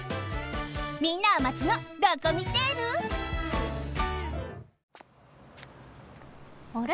みんなはマチのドコミテール？あれ？